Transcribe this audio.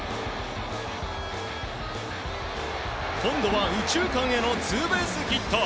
今度は右中間へのツーベースヒット。